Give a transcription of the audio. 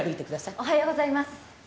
おはようございます。